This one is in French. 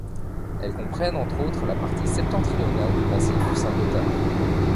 Elles comprennent entre autres la partie septentrionale du massif du Saint-Gothard.